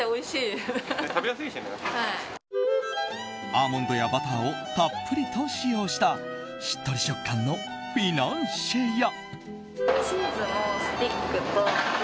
アーモンドやバターをたっぷりと使用したしっとり食感のフィナンシェや。